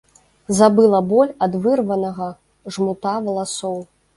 Забыла боль ад вырванага жмута валасоў.